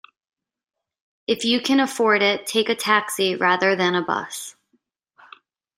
If you can afford it, take a taxi rather than a bus